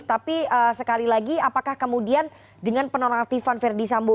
tapi sekali lagi apakah kemudian dengan penonaktifan verdi sambo